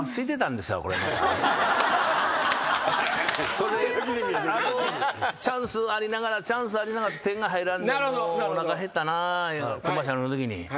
それでチャンスありながらチャンスありながら点が入らんでもうおなか減ったないうのコマーシャルのときに。